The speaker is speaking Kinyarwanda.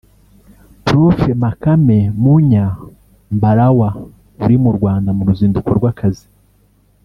Prof Makame Mnyaa Mbarawa uri mu Rwanda mu ruzinduko rw’akazi